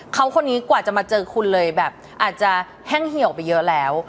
เขาคนนี้กว่าจะมาเจอคุณเลยแบบอาจจะแห้งเหี่ยวไปเยอะแล้ว